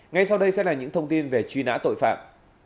ngay sau đây sẽ là những thông tin về truy nã tội phạm